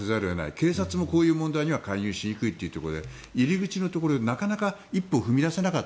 警察もこういう問題には介入しにくいというところで入り口のところでなかなか一歩踏み出せなかった